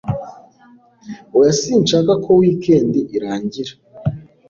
oya sinshaka ko weekend irangira